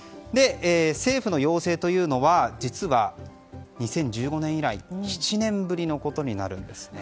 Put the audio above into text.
政府の要請というのは実は、２０１５年以来７年ぶりのことになるんですね。